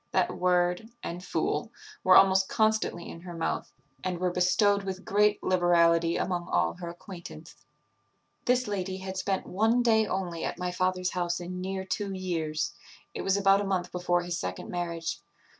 That word, and fool, were almost constantly in her mouth, and were bestowed with great liberality among all her acquaintance. "This lady had spent one day only at my father's house in near two years; it was about a month before his second marriage.